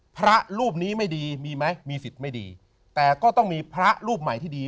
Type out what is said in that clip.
พระรูปนี้ไม่ดีมีไหมมีสิทธิ์ไม่ดีแต่ก็ต้องมีพระรูปใหม่ที่ดี